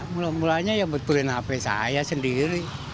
mula mulanya ya betulin hp saya sendiri